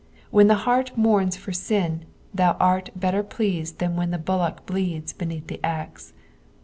When the heart mourns for sin, thou art better pleased than when the bullock bleeds beneath the axe.